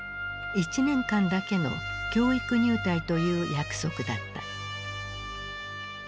１年間だけの教育入隊という約束だった。